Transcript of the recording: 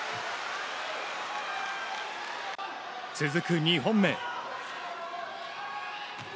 続く２本目。